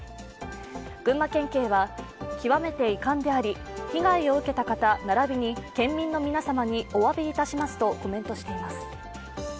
群馬県警は、極めて遺憾であり被害を受けた方並びに県民の皆様におよびいたしますとコメントしています。